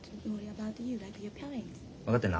分かってんな？